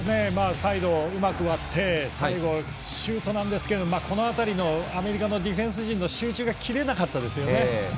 サイドをうまく割って最後、シュートなんですがアメリカのディフェンス陣の集中が切れなかったですね。